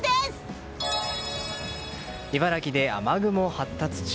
茨城で雨雲発達中。